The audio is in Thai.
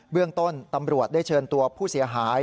เรื่องต้นตำรวจได้เชิญตัวผู้เสียหาย